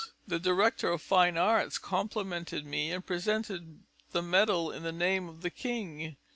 The director of fine arts complimented me and presented the medal in the name of the king.